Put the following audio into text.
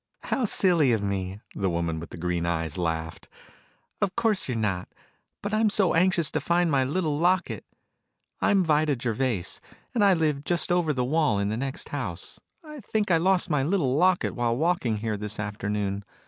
"How silly of me," the woman with the green eyes laughed. "Of course you are not. But I am so anxious to find my little locket. I am Vida Gervais, and I live just over the wall in the next house. I think I lost my little locket while walking here this afternoon.